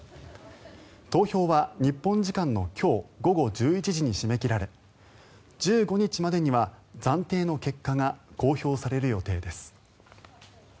投票は日本時間の今日午後１１時に締め切られ１５日までには暫定の結果が公表される予定です。